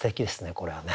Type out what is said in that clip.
これはね。